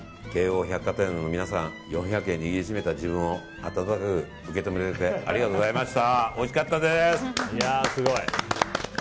京王百貨店の皆さん４００円握りしめた自分を暖かく受け止めてくれてありがとうございました。